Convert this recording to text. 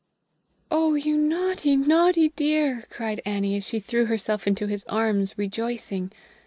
"Oh, you naughty, naughty dear!" cried Annie, as she threw herself into his arms, rejoicing.